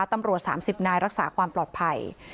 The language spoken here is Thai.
ตำรวจ๓๐นายรักษาความปลอดภัย